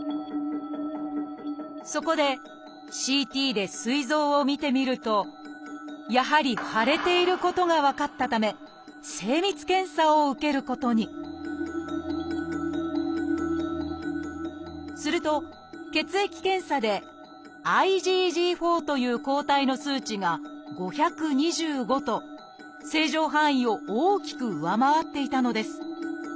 そこでＣＴですい臓を見てみるとやはり腫れていることが分かったため精密検査を受けることにすると血液検査で「ＩｇＧ４」という抗体の数値が「５２５」と正常範囲を大きく上回っていたのです。